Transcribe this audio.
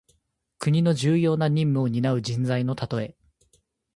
国の重要な任務をになう人材のたとえ。